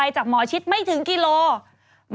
จากหมอชิดไม่ถึงกิโลกรัม